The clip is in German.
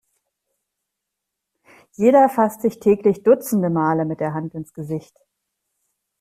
Jeder fasst sich täglich dutzende Male mit der Hand ins Gesicht.